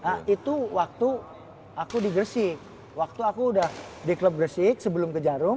nah itu waktu aku di gresik waktu aku udah di klub gresik sebelum ke jarum